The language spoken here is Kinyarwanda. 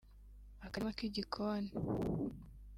akarima k’igikoni